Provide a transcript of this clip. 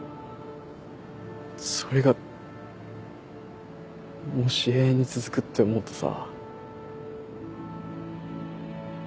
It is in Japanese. それがもし永遠に続くって思うとさ。